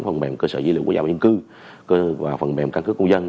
phần mềm cơ sở dữ liệu của nhà bình cư và phần mềm căn cứ công dân